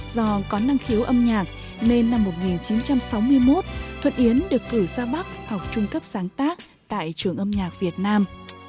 do có năng khiếu âm nhạc nên năm một nghìn chín trăm sáu mươi một thuận yến được cử ra bắc học trung cấp sáng tác tại trường âm nhạc việt nam